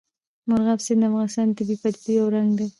مورغاب سیند د افغانستان د طبیعي پدیدو یو رنګ دی.